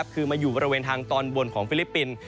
คือมาอยู่บริเวณทางตอนบนของฟิลิปปินส์